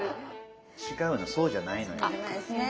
違うのそうじゃないのよ。